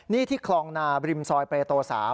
นี่ที่คลองนาบริมซอยเปรโต๓